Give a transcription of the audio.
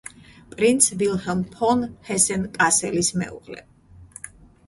პრინც ვილჰელმ ფონ ჰესენ-კასელის მეუღლე.